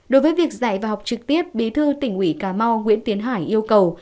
đối với việc dạy và học trực tiếp bí thư tỉnh ủy cà mau nguyễn tiến hải yêu cầu